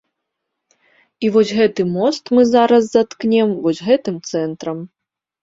І вось гэты мост мы зараз заткнем вось гэтым цэнтрам.